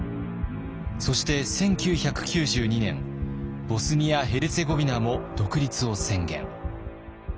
そして１９９２年ボスニア・ヘルツェゴビナも独立を宣言。